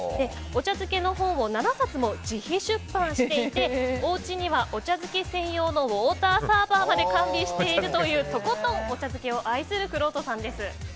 お茶漬けの本を７冊も自費出版していておうちには、お茶漬け専用のウォーターサーバーまで完備しているというとことんお茶漬けを愛するくろうとさんです。